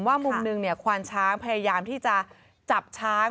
มุมหนึ่งควานช้างพยายามที่จะจับช้าง